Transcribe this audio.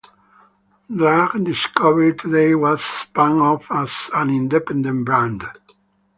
"Drug Discovery Today" was spun off as an independent brand.